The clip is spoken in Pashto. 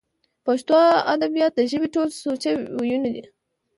پښتو ادبيات د ژبې ټول سوچه وييونو